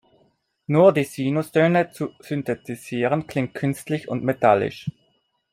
Nur die Sinustöne zu synthetisieren klingt künstlich und metallisch.